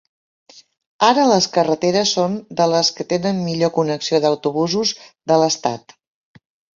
Ara les carreteres són de les que tenen millor connexió d'autobusos de l'estat.